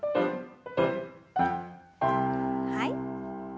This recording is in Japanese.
はい。